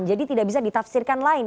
jadi tidak bisa ditafsirkan lain